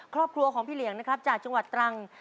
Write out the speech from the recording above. ครอบครัวของพี่เหลียงนะครับจากจังหวัดตรัง